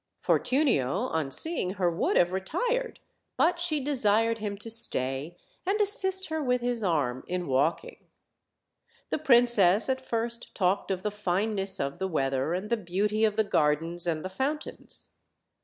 Fortunio on seeing her would have retired; but she desired him to stay and assist her with his arm in walking. The princess at first talked of the fineness of the weather, and the beauty of the gar dens and the fountains.